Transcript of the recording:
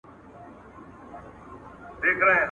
خو چي لوی سي تل د ده په ځان بلاوي `